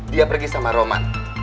dia pergi sama roman